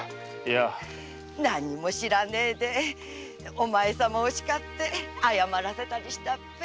何にも知らねぇでお前様をしかって謝らせたりしたっぺ。